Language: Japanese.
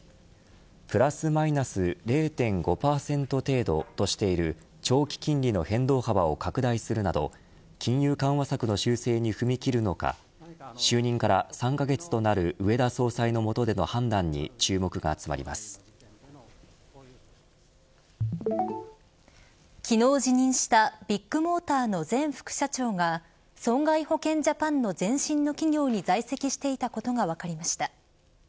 プラスマイナス０．５％程度としている長期金利の変動幅を拡大するなど金融緩和策の修正に踏み切るのか就任から３カ月となる植田総裁の下での判断に昨日辞任したビッグモーターの前副社長が損害保険ジャパンの前身の企業に在籍していたことが分かりました。